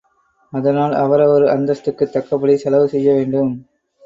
அதனால் அவரவர் அந்தஸ்துக்குத் தக்கபடி செலவு செய்ய வேண்டும்.